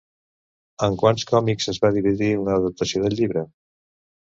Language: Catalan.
En quants còmics es va dividir una adaptació del llibre?